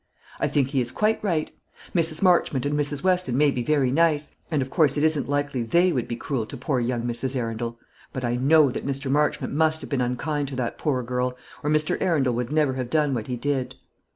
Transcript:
"I think he is quite right. Mrs. Marchmont and Mrs. Weston may be very nice, and of course it isn't likely they would be cruel to poor young Mrs. Arundel; but I know that Mr. Marchmont must have been unkind to that poor girl, or Mr. Arundel would never have done what he did."